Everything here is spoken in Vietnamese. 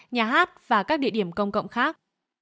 nhà hát và các địa điểm công cộng khác